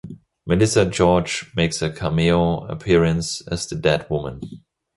Melissa George makes a cameo appearance as the dead woman.